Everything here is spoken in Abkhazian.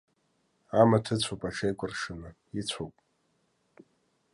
Амаҭ ыцәоуп аҽеикәыршаны, ицәоуп.